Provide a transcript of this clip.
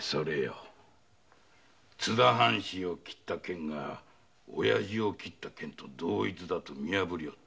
津田藩士を斬った剣が親父を斬った剣と同一だと見破りおった。